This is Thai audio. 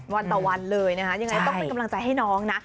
วันต่อวันเลยนะคะยังไงก็ต้องเป็นกำลังใจให้น้องนะ